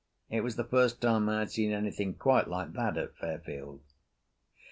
It was the first time I had seen anything quite like that at Fairfield.